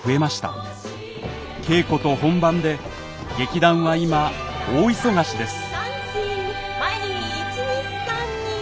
稽古と本番で劇団は今大忙しです。